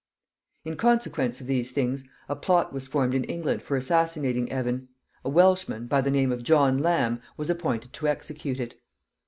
In consequence of these things, a plot was formed in England for assassinating Evan. A Welshman, by the name of John Lamb, was appointed to execute it.